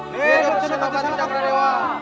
hidup salam pati cakra dewa